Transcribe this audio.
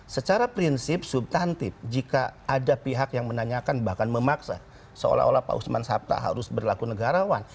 secara prinsip subtantif jika ada pihak yang menanyakan bahkan memaksa seolah olah pak usman sabta harus berlaku negarawan